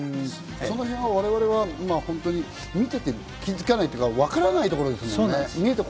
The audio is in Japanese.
我々は本当に見ていて気付かないというか、わからないところですね。